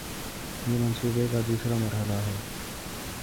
یہ منصوبے کا دوسرا مرحلہ ہے